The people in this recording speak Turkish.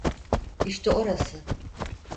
İşte orası.